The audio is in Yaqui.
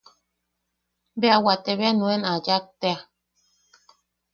Bea wate bea nuen a yak tea.